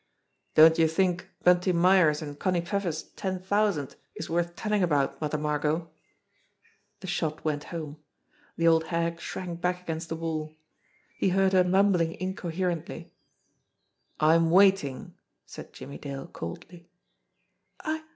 "Don't you think Bunty Myers and Connie Pfeffer's ten thousand is worth telling about . Mother Margot?" The shot went home. The old hag shrank back against the wall. He heard her mumbling incoherently. "I'm waiting!" said Jimmie Dale coldly.